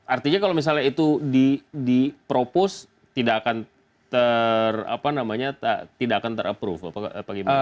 artinya kalau misalnya itu di propose tidak akan ter apa namanya tidak akan ter approve apa gimana